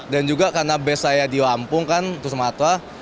dan juga karena base saya di lampung tusmatwa